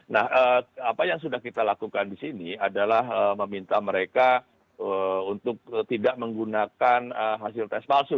nah apa yang sudah kita lakukan di sini adalah meminta mereka untuk tidak menggunakan hasil tes palsu